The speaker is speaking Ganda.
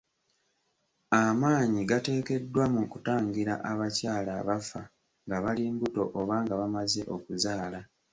Amaanyi gateekeddwa mu kutangira abakyala abafa nga bali mbuto oba nga bamaze okuzaala.